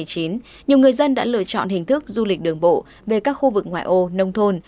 nhiều người dân đã lựa chọn hình thức du lịch đường bộ về các khu vực ngoại ô nông thôn